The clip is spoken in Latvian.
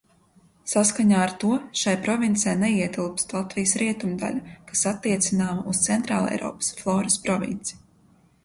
Saskaņā ar to šai provincē neietilpst Latvijas rietumdaļa, kas attiecināma uz Centrāleiropas floras provinci.